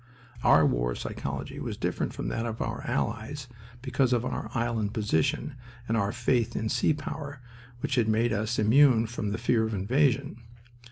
Our war psychology was different from that of our allies because of our island position and our faith in seapower which had made us immune from the fear of invasion.